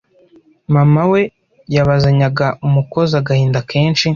Mama we yabazanyaga umukozi agahinda kenshi